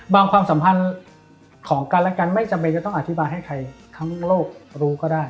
ความสัมพันธ์ของกันและกันไม่จำเป็นจะต้องอธิบายให้ใครทั้งโลกรู้ก็ได้